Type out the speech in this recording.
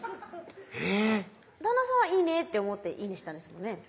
えぇっ旦那さんはいいねって思って「いいね！」したんですもんね